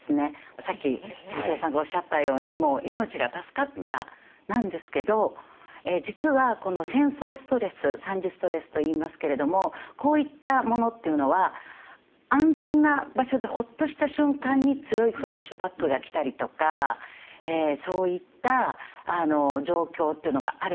さっきＳＵＧＩＺＯさんがおっしゃったようにもう「命が助かった」なんですけど実はこの戦争ストレス惨事ストレスと言いますけれどもこういったものというのは安全な場所でほっとした瞬間に強いフラッシュバックが来たりとかそういった状況というのがあるんですね。